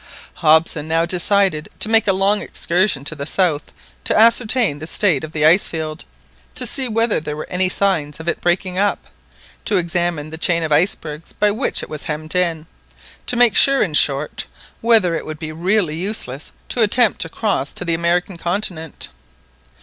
Hobson now decided to make a long excursion to the south to ascertain the state of the ice field, to see whether there were any signs of its breaking up, to examine the chain of icebergs by which it was hemmed in, to make sure, in short, whether it would really be useless to attempt to cross to the American continent.